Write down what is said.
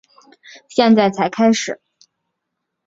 现在才开始